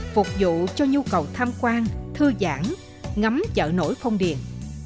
phục vụ cho nhu cầu tham quan thư giãn ngắm chợ nổi phong điền